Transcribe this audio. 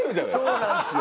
そうなんですよ。